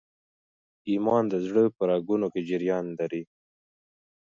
ایمان د زړه په رګونو کي جریان لري.